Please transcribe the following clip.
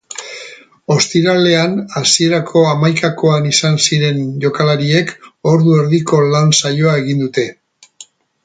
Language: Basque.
Ostiralean hasierako hamaikakoan izan ziren jokalariek ordu erdiko lan saioa egin dute.